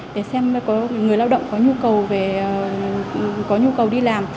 để xem người lao động có nhu cầu đi làm